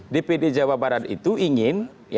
dpd jawa barat itu ingin